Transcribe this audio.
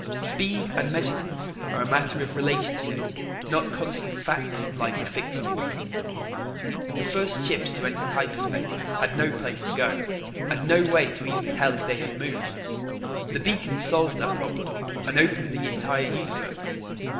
Speed and measurements are a matter of relationship, not constant facts like the fixed universe. The first ships to enter hyperspace had no place to go and no way to even tell if they had moved. The beacons solved that problem and opened the entire universe.